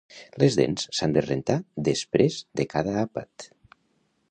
Les dents s'han de rentar després de cada àpat